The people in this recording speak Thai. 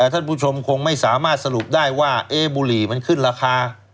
ท่านผู้ชมคงไม่สามารถสรุปได้ว่าบุหรี่มันขึ้นราคา